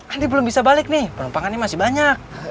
ini belum bisa balik nih penumpangannya masih banyak